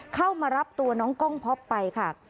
เข้ามารับตัวน้องกล้องพ็อปไปค่ะ